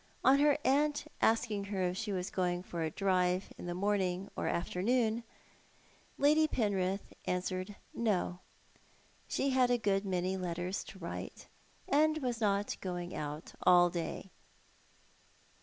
On her aunt asking her if she was going for a drive in the morning or afternoon, Lady Penrith answered " No." She had a good many letters to write, and was not going out all day.